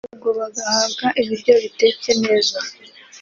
ubwo bagahabwa ibiryo bitetse neza